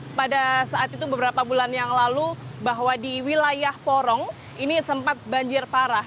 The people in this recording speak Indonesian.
dan apabila anda mengetahui bahwa pada saat itu beberapa bulan yang lalu bahwa di wilayah porong ini sempat banjir parah